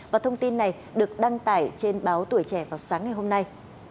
và thông tin này được đăng tải trên báo tuổi trẻ vào sáng ngày hôm nay